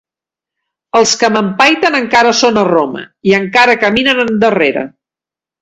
Els que m'empaiten encara són a Roma i encara caminen endarrere.